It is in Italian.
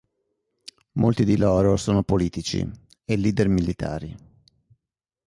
Molti di loro sono politici, e leader militari.